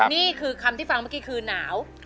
นี่คือคำที่ฟังเมื่อกี้คือหนาว